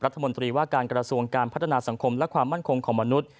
รัฐมนตรีว่าการกระทรวงการพัฒนาสังคมและความมั่นคงของมนุษย์